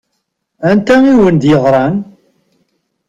Anta i wen-d-yeɣṛan?